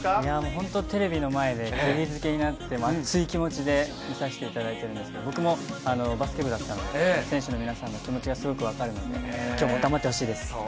本当、テレビの前でくぎづけになって熱い気持ちで見させていただいてるんですけど僕もバスケ部だったので、選手の皆さんの気持ちが分かるので、今日も頑張ってほしいです。